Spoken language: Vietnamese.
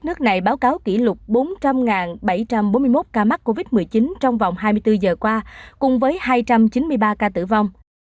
nước này báo cáo kỷ lục bốn trăm linh bảy trăm bốn mươi một ca mắc covid một mươi chín trong vòng hai mươi bốn giờ qua cùng với hai trăm chín mươi ba ca tử vong